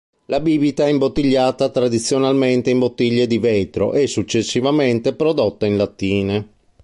La bibita è imbottigliata tradizionalmente in bottiglie di vetro e successivamente prodotta in lattine.